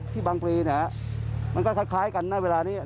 ที่บางปีนะครับมันก็คล้ายคล้ายกันหน้าเวลานี้นะครับ